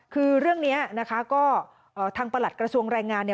คือเรื่องนี้นะคะก็ทางประหลัดกระทรวงแรงงานเนี่ย